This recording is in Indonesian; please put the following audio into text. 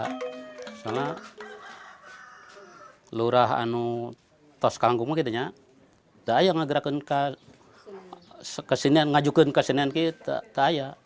karena lelah itu toskanggungu gitu ya tidak ada yang mengajarkan kesenian mengajarkan kesenian itu tidak ada